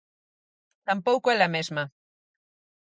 Tampouco ela mesma.